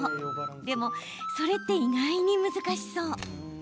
でも、それって意外に難しそう。